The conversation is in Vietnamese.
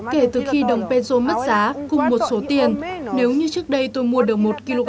kể từ khi đồng peso mất giá cùng một số tiền nếu như trước đây tôi mua được một kg